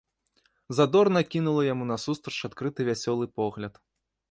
Задорна кінула яму насустрач адкрыты вясёлы погляд.